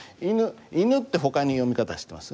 「いぬ」ってほかに読み方知ってます？